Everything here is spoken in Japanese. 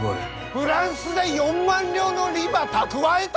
フランスで４万両の利ば蓄えた！？